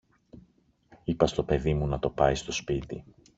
είπα στο παιδί μου να το πάει στο σπίτι.